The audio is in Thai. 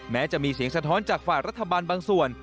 แม้จะมีเสียงสะท้อนจากฝ่ายรัฐบาลบางส่วน